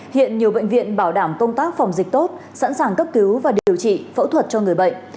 hiện nhiều bệnh viện bảo đảm công tác phòng dịch tốt sẵn sàng cấp cứu và điều trị phẫu thuật cho người bệnh